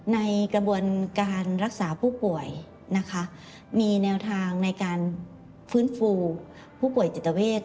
ในกระบวนการรักษาผู้ป่วยนะคะมีแนวทางในการฟื้นฟูผู้ป่วยจิตเวท